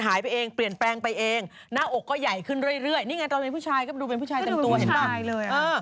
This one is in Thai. หายไปเองเปลี่ยนแปลงไปเองหน้าอกก็ใหญ่ขึ้นเรื่อยนี่ไงตอนเป็นผู้ชายก็ดูเป็นผู้ชายเต็มตัวเห็นป่ะเลย